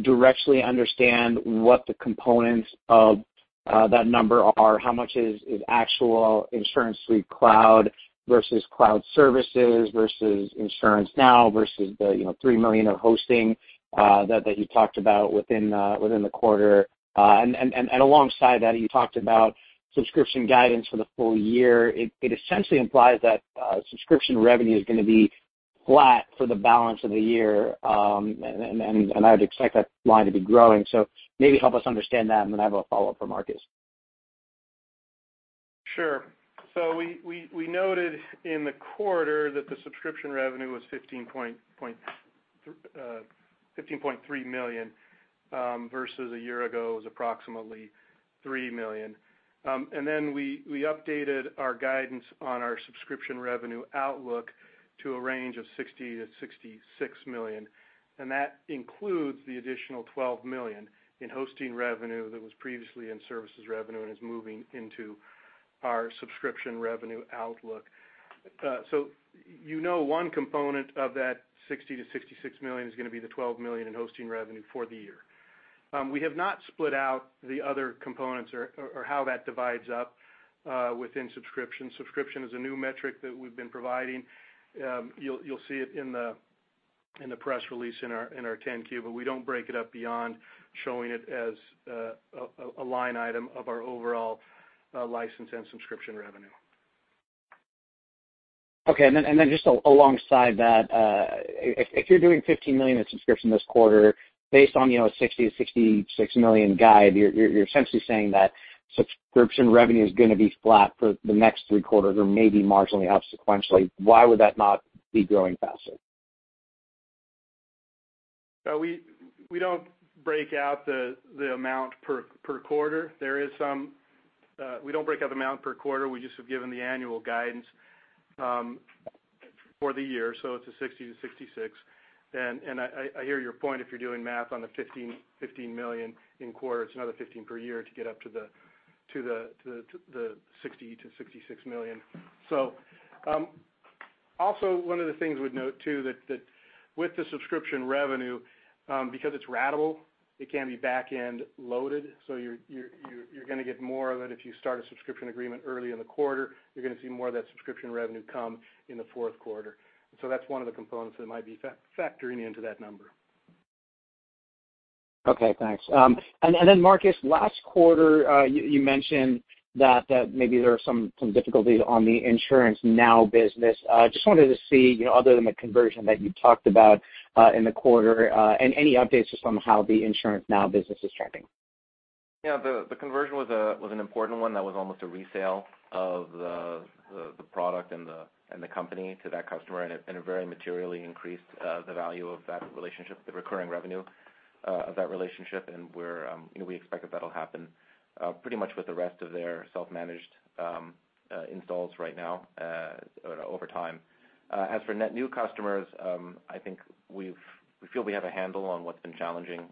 directly understand what the components of that number are? How much is actual InsuranceSuite Cloud versus cloud services versus InsuranceNow versus the $3 million of hosting that you talked about within the quarter? Alongside that, you talked about subscription guidance for the full year. It essentially implies that subscription revenue is going to be flat for the balance of the year. I'd expect that line to be growing. Maybe help us understand that, and then I have a follow-up for Marcus. Sure. We noted in the quarter that the subscription revenue was $15.3 million, versus a year ago, it was approximately $3 million. Then we updated our guidance on our subscription revenue outlook to a range of $60 million-$66 million, and that includes the additional $12 million in hosting revenue that was previously in services revenue and is moving into our subscription revenue outlook. You know one component of that $60 million-$66 million is going to be the $12 million in hosting revenue for the year. We have not split out the other components or how that divides up within subscription. Subscription is a new metric that we've been providing. You'll see it in the press release in our 10-Q, but we don't break it up beyond showing it as a line item of our overall license and subscription revenue. Just alongside that, if you're doing $15 million in subscription this quarter, based on a $60 million-$66 million guide, you're essentially saying that subscription revenue is going to be flat for the next 3 quarters or maybe marginally up sequentially. Why would that not be growing faster? We don't break out the amount per quarter. We just have given the annual guidance for the year. It's a $60 million-$66 million. I hear your point. If you're doing math on the $15 million in quarter, it's another $15 million per year to get up to the $60 million-$66 million. Also one of the things we'd note too, that with the subscription revenue, because it's ratable, it can be back-end loaded. You're going to get more of it if you start a subscription agreement early in the quarter. You're going to see more of that subscription revenue come in the 4th quarter. That's one of the components that might be factoring into that number. Thanks. Marcus, last quarter, you mentioned that maybe there are some difficulties on the InsuranceNow business. Just wanted to see, other than the conversion that you talked about in the quarter, any updates just on how the InsuranceNow business is trending. The conversion was an important one. That was almost a resale of the product and the company to that customer and it very materially increased the value of that relationship, the recurring revenue of that relationship. We expect that that'll happen pretty much with the rest of their self-managed installs right now over time. As for net new customers, I think we feel we have a handle on what's been challenging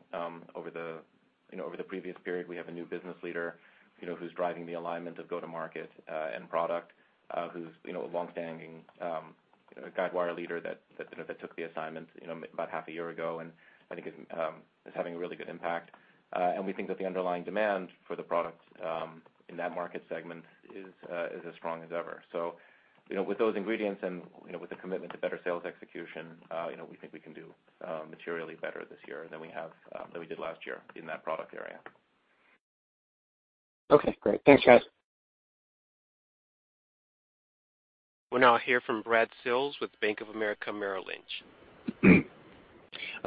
over the previous period. We have a new business leader who's driving the alignment of go-to-market and product, who's a longstanding Guidewire leader that took the assignment about half a year ago and I think is having a really good impact. We think that the underlying demand for the product in that market segment is as strong as ever. With those ingredients and with the commitment to better sales execution, we think we can do materially better this year than we did last year in that product area. Okay, great. Thanks, guys. We'll now hear from Brad Sills with Bank of America Merrill Lynch.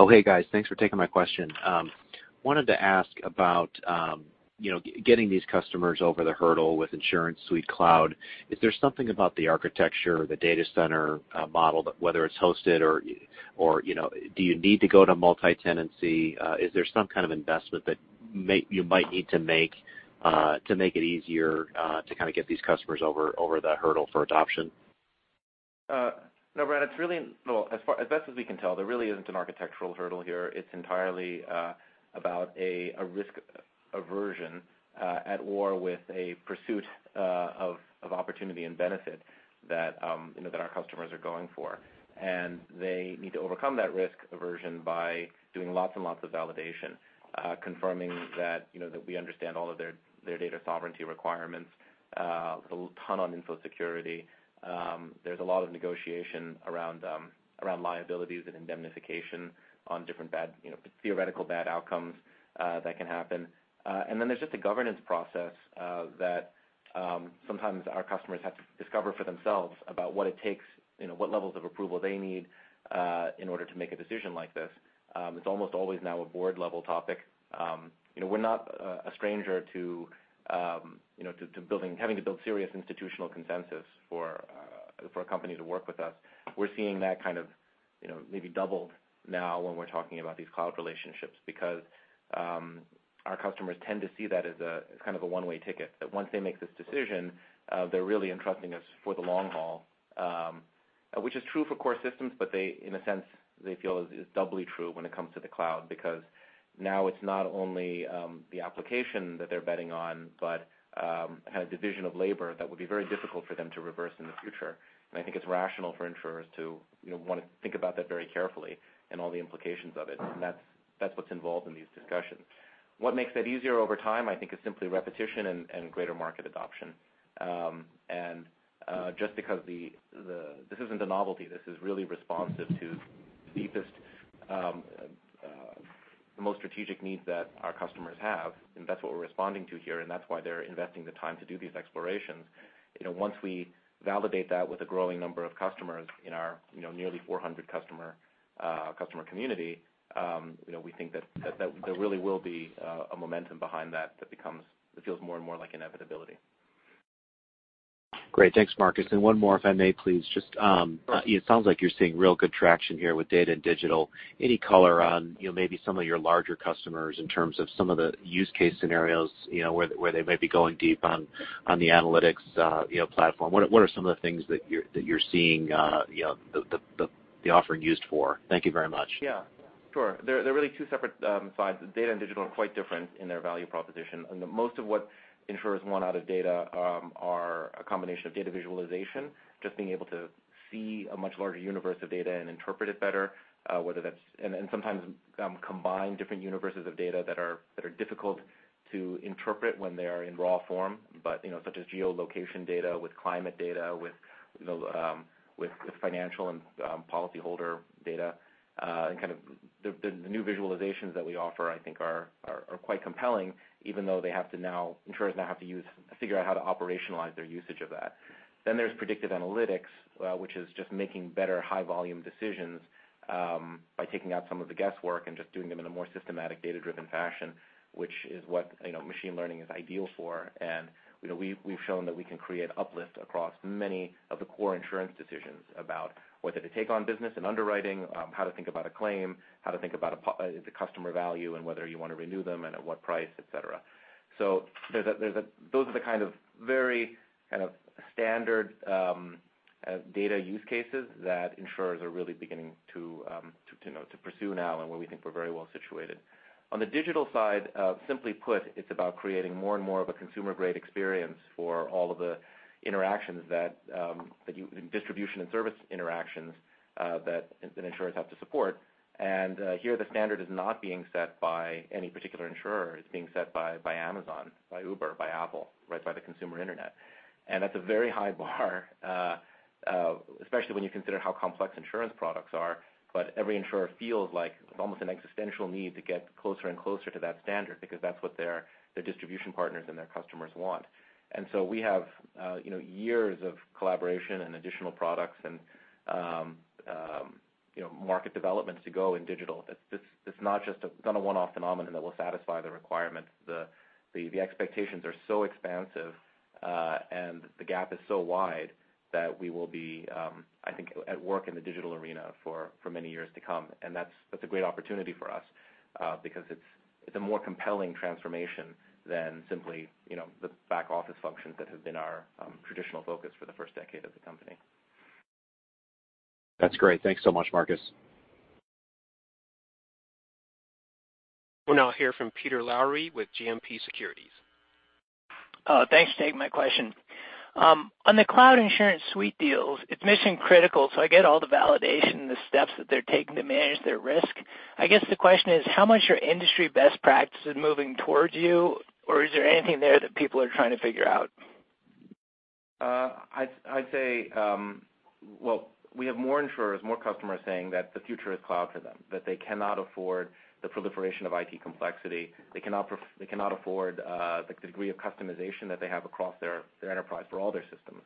Hey, guys. Thanks for taking my question. Wanted to ask about getting these customers over the hurdle with InsuranceSuite cloud. Is there something about the architecture or the data center model that whether it's hosted or do you need to go to multi-tenancy? Is there some kind of investment that you might need to make to make it easier to kind of get these customers over the hurdle for adoption? No, Brad, as best as we can tell, there really isn't an architectural hurdle here. It's entirely about a risk aversion at war with a pursuit of opportunity and benefit that our customers are going for. They need to overcome that risk aversion by doing lots and lots of validation, confirming that we understand all of their data sovereignty requirements, a ton on info security. There's a lot of negotiation around liabilities and indemnification on different theoretical bad outcomes that can happen. Then there's just a governance process that sometimes our customers have to discover for themselves about what it takes, what levels of approval they need in order to make a decision like this. It's almost always now a board-level topic. We're not a stranger to having to build serious institutional consensus for a company to work with us. We're seeing that kind of maybe doubled now when we're talking about these cloud relationships because our customers tend to see that as kind of a one-way ticket, that once they make this decision, they're really entrusting us for the long haul. Which is true for core systems, but they, in a sense, feel is doubly true when it comes to the cloud because now it's not only the application that they're betting on, but a division of labor that would be very difficult for them to reverse in the future. I think it's rational for insurers to want to think about that very carefully and all the implications of it. That's what's involved in these discussions. What makes that easier over time, I think, is simply repetition and greater market adoption. Just because this isn't a novelty, this is really responsive to the most strategic needs that our customers have, that's what we're responding to here, that's why they're investing the time to do these explorations. Once we validate that with a growing number of customers in our nearly 400 customer community, we think that there really will be a momentum behind that feels more and more like inevitability. Great. Thanks, Marcus. One more, if I may, please. Sure. It sounds like you're seeing real good traction here with data and digital. Any color on maybe some of your larger customers in terms of some of the use case scenarios where they may be going deep on the analytics via platform? What are some of the things that you're seeing the offering used for? Thank you very much. Yeah, sure. They're really two separate sides. Data and digital are quite different in their value proposition. Most of what insurers want out of data are a combination of data visualization, just being able to see a much larger universe of data and interpret it better, and sometimes combine different universes of data that are difficult to interpret when they are in raw form, such as geolocation data with climate data, with financial and policyholder data. The new visualizations that we offer, I think, are quite compelling, even though insurers now have to figure out how to operationalize their usage of that. There's Predictive Analytics, which is just making better high-volume decisions by taking out some of the guesswork and just doing them in a more systematic, data-driven fashion, which is what machine learning is ideal for. We've shown that we can create uplift across many of the core insurance decisions about whether to take on business and underwriting, how to think about a claim, how to think about the customer value and whether you want to renew them and at what price, et cetera. Those are the kind of very standard data use cases that insurers are really beginning to pursue now and where we think we're very well situated. On the digital side, simply put, it's about creating more and more of a consumer-grade experience for all of the distribution and service interactions that insurers have to support. Here the standard is not being set by any particular insurer. It's being set by Amazon, by Uber, by Apple. By the consumer internet. That's a very high bar, especially when you consider how complex insurance products are. Every insurer feels almost an existential need to get closer and closer to that standard because that's what their distribution partners and their customers want. We have years of collaboration and additional products and market developments to go in digital. It's not a one-off phenomenon that will satisfy the requirements. The expectations are so expansive, and the gap is so wide that we will be, I think, at work in the digital arena for many years to come. That's a great opportunity for us because it's a more compelling transformation than simply the back office functions that have been our traditional focus for the first decade as a company. That's great. Thanks so much, Marcus. We'll now hear from Peter Lowry with GMP Securities. Thanks. Taking my question. On the cloud InsuranceSuite deals, it's mission-critical, so I get all the validation and the steps that they're taking to manage their risk. I guess the question is, how much are industry best practices moving towards you, or is there anything there that people are trying to figure out? I'd say, well, we have more insurers, more customers saying that the future is cloud for them, that they cannot afford the proliferation of IT complexity. They cannot afford the degree of customization that they have across their enterprise for all their systems.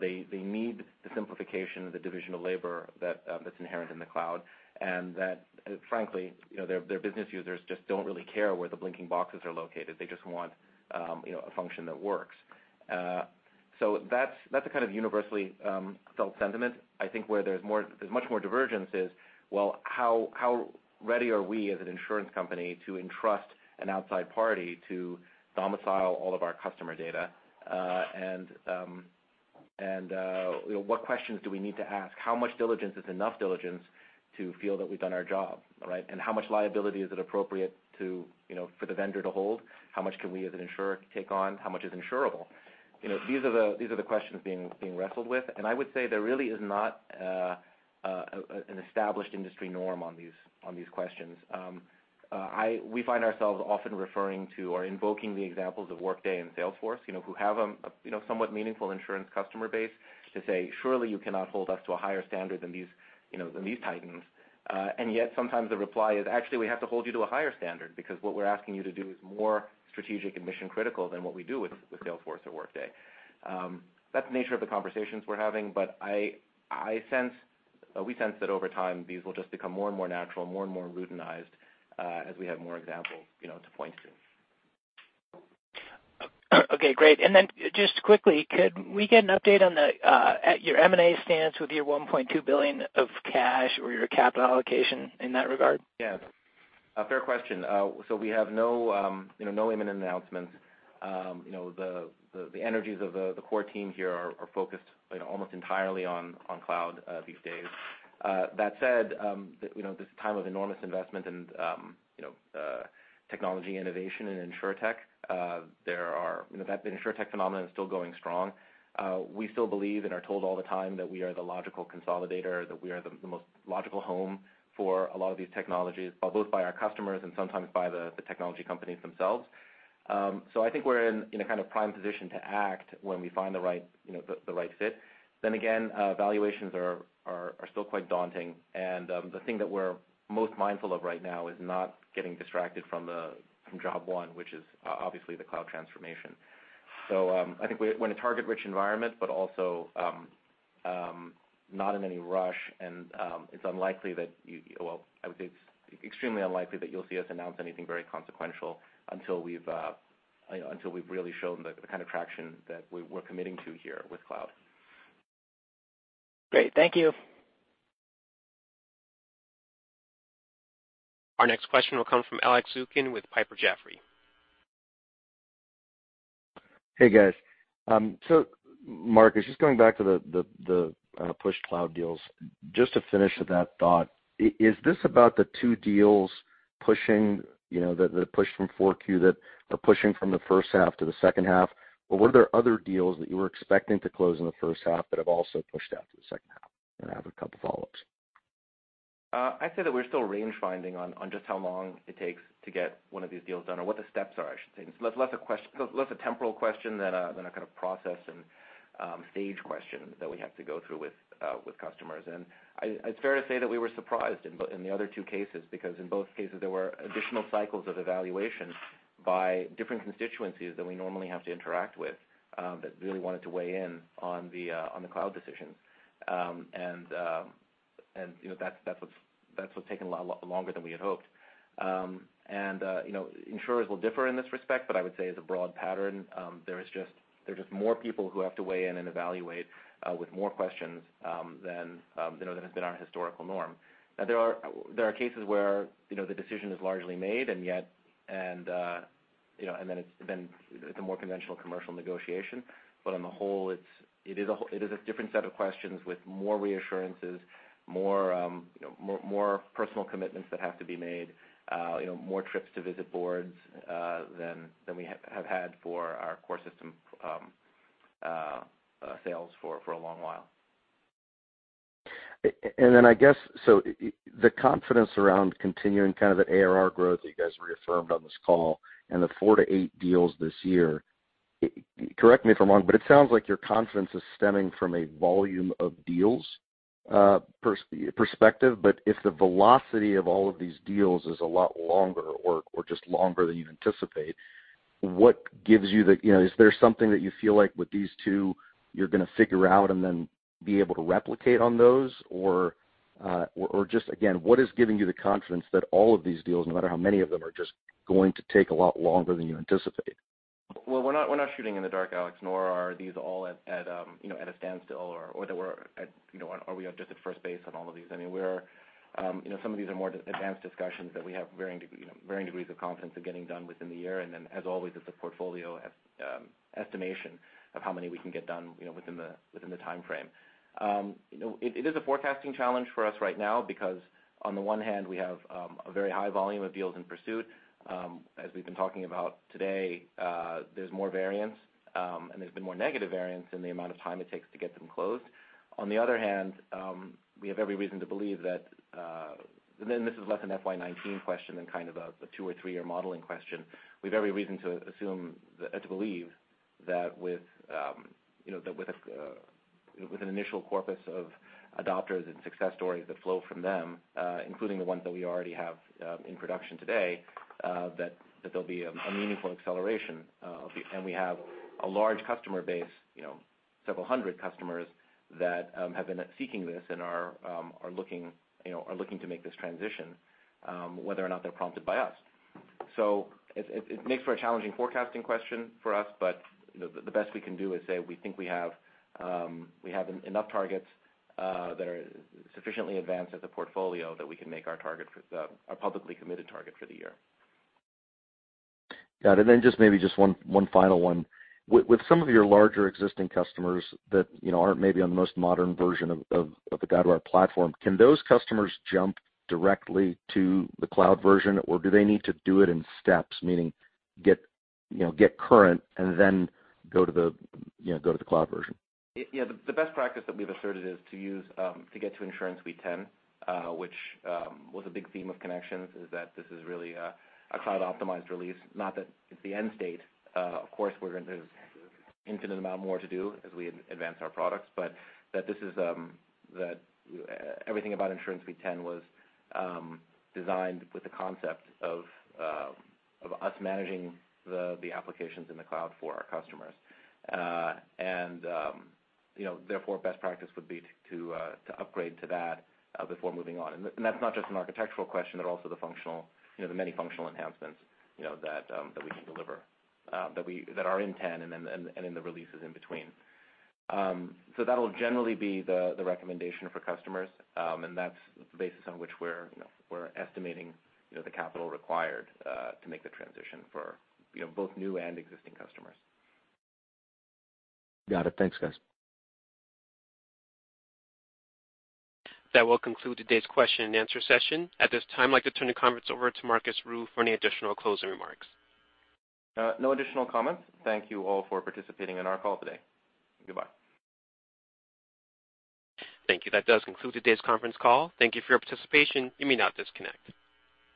They need the simplification of the division of labor that's inherent in the cloud, and that, frankly, their business users just don't really care where the blinking boxes are located. They just want a function that works. That's a kind of universally felt sentiment. I think where there's much more divergence is, well, how ready are we as an insurance company to entrust an outside party to domicile all of our customer data? What questions do we need to ask? How much diligence is enough diligence to feel that we've done our job, right? How much liability is it appropriate for the vendor to hold? How much can we as an insurer take on? How much is insurable? These are the questions being wrestled with. I would say there really is not an established industry norm on these questions. We find ourselves often referring to or invoking the examples of Workday and Salesforce who have a somewhat meaningful insurance customer base to say, "Surely you cannot hold us to a higher standard than these titans." Yet sometimes the reply is, "Actually, we have to hold you to a higher standard because what we're asking you to do is more strategic and mission-critical than what we do with Salesforce or Workday." That's the nature of the conversations we're having. We sense that over time, these will just become more and more natural, more and more routinized, as we have more examples to point to. Okay, great. Just quickly, could we get an update on your M&A stance with your $1.2 billion of cash or your capital allocation in that regard? A fair question. We have no imminent announcements. The energies of the core team here are focused almost entirely on cloud these days. That said, this time of enormous investment in technology innovation and insurtech. The insurtech phenomenon is still going strong. We still believe and are told all the time that we are the logical consolidator, that we are the most logical home for a lot of these technologies, both by our customers and sometimes by the technology companies themselves. I think we're in a prime position to act when we find the right fit. Again, valuations are still quite daunting. The thing that we're most mindful of right now is not getting distracted from job one, which is obviously the cloud transformation. I think we're in a target-rich environment, but also not in any rush. It's extremely unlikely that you'll see us announce anything very consequential until we've really shown the kind of traction that we're committing to here with cloud. Great. Thank you. Our next question will come from Alex Zukin with Piper Jaffray. Hey, guys. Marcus, just going back to the pushed cloud deals, just to finish that thought, is this about the two deals that are pushing from the first half to the second half, or were there other deals that you were expecting to close in the first half that have also pushed out to the second half? I have a couple of follow-ups. I'd say that we're still range-finding on just how long it takes to get one of these deals done or what the steps are, I should say. Less a temporal question than a kind of process and stage question that we have to go through with customers. It's fair to say that we were surprised in the other two cases, because in both cases, there were additional cycles of evaluation by different constituencies that we normally have to interact with that really wanted to weigh in on the cloud decision. That's what's taken a lot longer than we had hoped. Insurers will differ in this respect, but I would say as a broad pattern, there are just more people who have to weigh in and evaluate with more questions than has been our historical norm. There are cases where the decision is largely made, and then it's a more conventional commercial negotiation. On the whole, it is a different set of questions with more reassurances, more personal commitments that have to be made, more trips to visit boards than we have had for our core system sales for a long while. I guess, the confidence around continuing kind of the ARR growth that you guys reaffirmed on this call and the four to eight deals this year, correct me if I'm wrong, but it sounds like your confidence is stemming from a volume of deals perspective. If the velocity of all of these deals is a lot longer or just longer than you anticipate, is there something that you feel like with these two you're going to figure out and then be able to replicate on those? Or just again, what is giving you the confidence that all of these deals, no matter how many of them, are just going to take a lot longer than you anticipate? Well, we're not shooting in the dark, Alex, nor are these all at a standstill, or we are just at first base on all of these. Some of these are more advanced discussions that we have varying degrees of confidence of getting done within the year. As always, it's a portfolio estimation of how many we can get done within the timeframe. It is a forecasting challenge for us right now because, on the one hand, we have a very high volume of deals in pursuit. As we've been talking about today, there's more variance, and there's been more negative variance in the amount of time it takes to get them closed. On the other hand, this is less an FY 2019 question than kind of a two or three-year modeling question, we have every reason to believe that with an initial corpus of adopters and success stories that flow from them, including the ones that we already have in production today, that there'll be a meaningful acceleration. We have a large customer base, several hundred customers that have been seeking this and are looking to make this transition, whether or not they're prompted by us. It makes for a challenging forecasting question for us, but the best we can do is say we think we have enough targets that are sufficiently advanced as a portfolio that we can make our publicly committed target for the year. Got it. Then maybe just one final one. With some of your larger existing customers that aren't maybe on the most modern version of the Guidewire platform, can those customers jump directly to the cloud version, or do they need to do it in steps, meaning get current and then go to the cloud version? Yeah. The best practice that we've asserted is to get to InsuranceSuite 10, which was a big theme of Guidewire Connections, is that this is really a cloud-optimized release. Not that it's the end state. Of course, there's an infinite amount more to do as we advance our products, but that everything about InsuranceSuite 10 was designed with the concept of us managing the applications in the cloud for our customers. Therefore, best practice would be to upgrade to that before moving on. That's not just an architectural question, but also the many functional enhancements that we can deliver that are in 10 and in the releases in between. That'll generally be the recommendation for customers. That's the basis on which we're estimating the capital required to make the transition for both new and existing customers. Got it. Thanks, guys. That will conclude today's question and answer session. At this time, I'd like to turn the conference over to Marcus Ryu for any additional closing remarks. No additional comments. Thank you all for participating in our call today. Goodbye. Thank you. That does conclude today's conference call. Thank you for your participation. You may now disconnect.